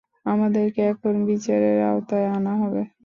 আমাদেরকে এখন বিচারের আওতায় আনা হবে!